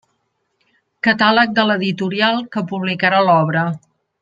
Catàleg de l'editorial que publicarà l'obra.